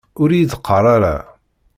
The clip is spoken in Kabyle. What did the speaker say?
Ur iyi-d qqar ara!